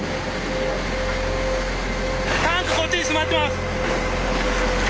タンクこっちに迫ってます！